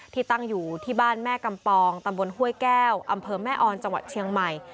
ที่ตั้งอยู่ที่บ้านแม่กำปองตำบลห้วยแก้วอำเภอแม่ออนจังหวัดเชียงใหม่